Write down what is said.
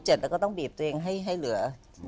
แล้วก็ต้องบีบตัวเองให้เหลือ